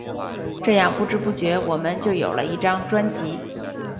这样不知不觉我们就有了一张专辑。